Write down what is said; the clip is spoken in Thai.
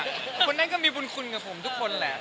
คนนั้นก็มีบุญคุณกับผมทุกคนแหละ